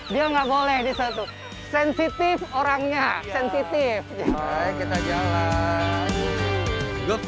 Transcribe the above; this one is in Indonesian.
dia nggak boleh di satu sensitif orangnya sensitif